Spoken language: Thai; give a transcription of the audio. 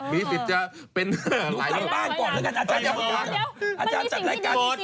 มีสิทธิ์จะเป็นอะไรอ๋อเดี๋ยวอาจารย์จัดรายการนี้สิ